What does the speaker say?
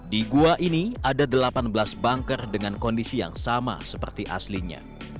di gua ini ada delapan belas banker dengan kondisi yang sama seperti aslinya